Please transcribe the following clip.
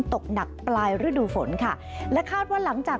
ตกหนักปลายฤดูฝนค่ะและคาดว่าหลังจาก